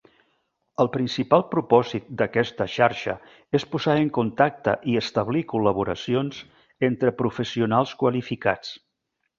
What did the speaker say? El principal propòsit d'aquesta xarxa és posar en contacte i establir col·laboracions entre professionals qualificats.